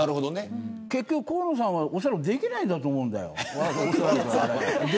結局、河野さんはおそらくできないと思うんだよ。